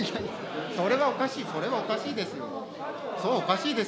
それはおかしい、それはおかしいですよ。